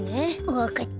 わかった。